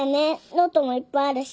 ノートもいっぱいあるし。